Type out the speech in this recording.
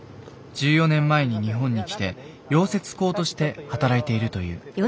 １４年前に日本に来て溶接工として働いているという。